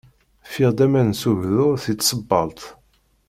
Ffiɣ-d aman s ugdur si tsebbalt.